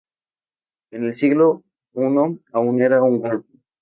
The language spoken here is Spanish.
En el siglo I aún era un golfo.